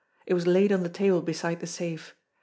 It was laid on the table beside the safe.